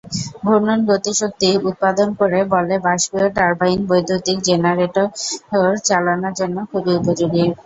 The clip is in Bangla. ঘূর্ণন গতিশক্তি উৎপাদন করে বলে বাষ্পীয় টার্বাইন বৈদ্যুতিক জেনারেটর চালনার জন্য খুবই উপযোগী।